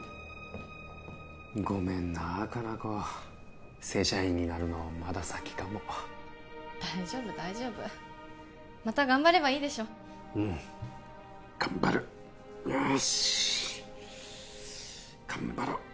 ごめんな果奈子正社員になるのまだ先かも大丈夫大丈夫また頑張ればいいでしょうん頑張るよし頑張ろう